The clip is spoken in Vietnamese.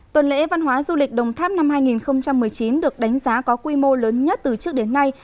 tuần lễ văn hóa du lịch đồng tháp năm hai nghìn một mươi chín được đánh giá có quy mô lớn nhất từ trước đến nay